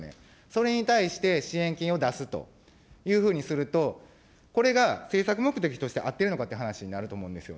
それに対して、支援金を出すというふうにすると、これが政策目的として合ってるのかという話になると思うんですよ。